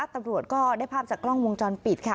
ตำรวจก็ได้ภาพจากกล้องวงจรปิดค่ะ